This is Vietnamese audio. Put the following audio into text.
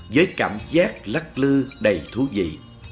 với cảm giác lắc lư đầy thú vị